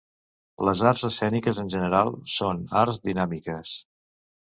Les arts escèniques en general són arts dinàmiques.